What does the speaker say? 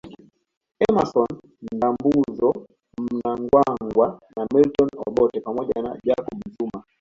Emmason Ndambuzo Mnangagwa na Milton Obote pamoja na Jacob Zuma